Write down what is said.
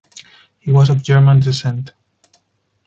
He was of German descent.